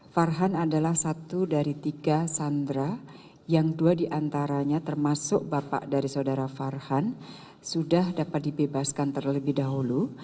farhan adalah satu dari tiga sandera yang dua diantaranya termasuk bapak dari saudara farhan sudah dapat dibebaskan terlebih dahulu